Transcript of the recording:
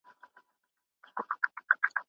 اسلام د انسانیت لپاره د عدل او انصاف ډالۍ ده.